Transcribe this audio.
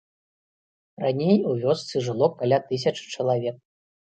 Раней у вёсцы жыло каля тысячы чалавек.